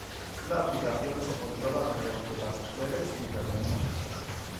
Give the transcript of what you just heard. La aplicación se controla mediante las redes de internet.